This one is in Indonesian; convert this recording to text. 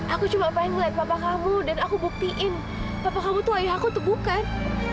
aku cuma pengen melihat papa kamu dan aku buktiin papa kamu itu ayah aku itu bukan